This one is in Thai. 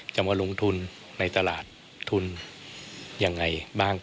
จะมาลงทุนในตลาดทุนยังไงบ้าง